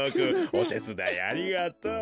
おてつだいありがとう。